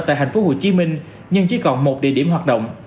tại tp hcm nhưng chỉ còn một địa điểm hoạt động